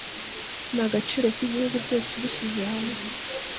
ni agaciro k'igihugu byose ubishyize hamwe